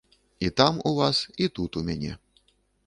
І там у вас, і тут у мяне.